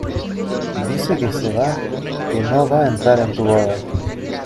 dice que se va, que no va a entrar en tu boda.